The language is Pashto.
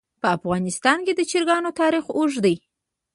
په افغانستان کې د چرګانو تاریخ اوږد دی.